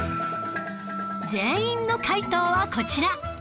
全員の解答はこちら